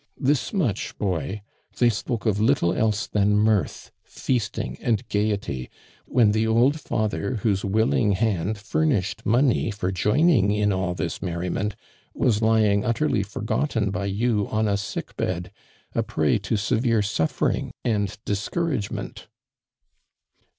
" This much, boy I They spoke of little else than mirth, feasting and gaiety, when the old father, whose willing hand furnish ed money for joining in all this merriment, was lying utterly forgotten by you on a sick bed, a prey to severe suffering and discouragement.'